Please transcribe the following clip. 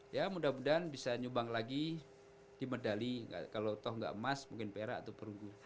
ya mudah mudahan bisa nyumbang lagi di medali kalau toh nggak emas mungkin perak atau perunggu